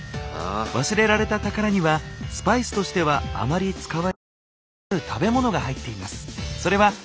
忘れられた宝にはスパイスとしてはあまり使われないある食べモノが入っています。